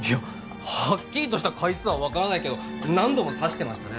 ハッキリとした回数は分からないけど何度も刺してましたね